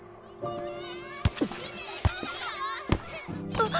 あっ！